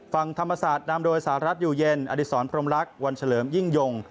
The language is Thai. ฝั่งธรรมศาสตร์นำโดยสหรัฐอยู่เย็นอดิษรพรมรักวันเฉลิมยิ่งยง